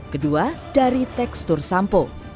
kedua dari tekstur sampo